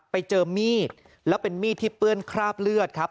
ไปเจอมีดแล้วเป็นมีดที่เปื้อนคราบเลือดครับ